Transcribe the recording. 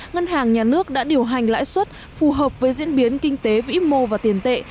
ngân hàng nhà nước đã điều hành lãi suất phù hợp với diễn biến kinh tế vĩ mô và tiền tệ